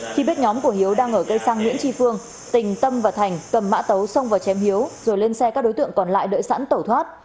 khi biết nhóm của hiếu đang ở cây xăng nguyễn tri phương tình tâm và thành cầm mã tấu xông vào chém hiếu rồi lên xe các đối tượng còn lại đợi sẵn tẩu thoát